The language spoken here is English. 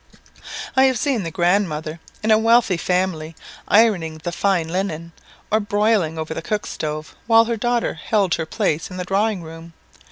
I have seen the grandmother in a wealthy family ironing the fine linen, or broiling over the cook stove, while her daughter held her place in the drawing room.